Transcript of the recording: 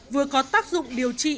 vừa có tác dụng điều trị